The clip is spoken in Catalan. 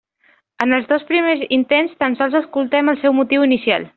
En els dos primers intents tan sols escoltem el seu motiu inicial.